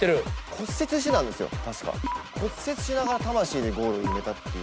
骨折しながら魂でゴールを決めたっていう。